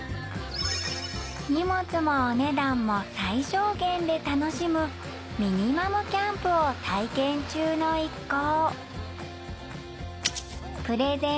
荷物もお値段も最小限で楽しむミニマムキャンプを体験中の一行プレゼン